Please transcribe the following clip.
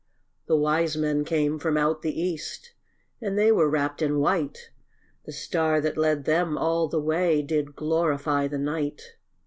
The wise men came from out the east, And they were wrapped in white; The star that led them all the way Did glorify the night.